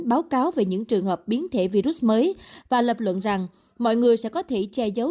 báo cáo về những trường hợp biến thể virus mới và lập luận rằng mọi người sẽ có thể che giấu